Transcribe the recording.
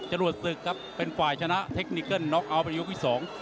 จรวดศึกครับเป็นฝ่ายชนะเทคนิเกิ้ลน็อคเอาไปยกวิทย์๒